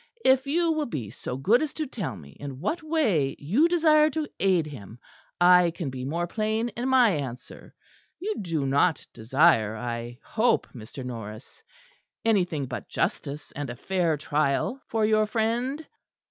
If you will be so good as to tell me in what way you desire to aid him, I can be more plain in my answer. You do not desire, I hope, Mr. Norris, anything but justice and a fair trial for your friend?"